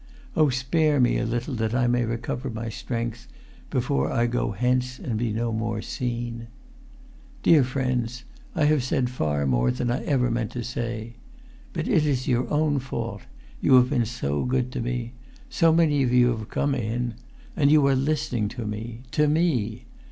"Oh spare me a little that I may recover my strength: before I go hence, and be no more seen ... "Dear friends, I have said far more than I ever meant to say. But it is your own fault; you have been so good to me; so many of you have come in; and you are listening to me—to me!